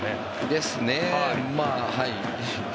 ですね。